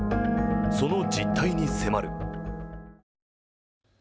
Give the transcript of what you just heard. その実態に迫る。